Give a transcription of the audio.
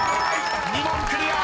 ［２問クリア！］